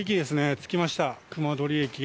着きました、熊取駅。